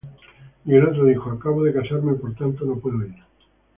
Y el otro dijo: Acabo de casarme, y por tanto no puedo ir.